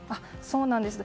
そうなんです。